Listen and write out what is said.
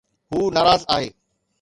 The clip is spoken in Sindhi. هو ناراض آهي